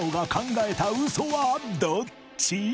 どっち？